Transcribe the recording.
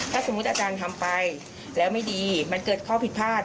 ถ้าสมมุติอาจารย์ทำไปแล้วไม่ดีมันเกิดข้อผิดพลาด